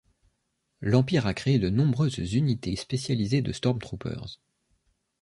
L'Empire a créé de nombreuses unités spécialisées de stromtroopers.